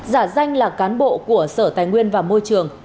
giả danh là cán bộ của sở tài nguyên và môi trường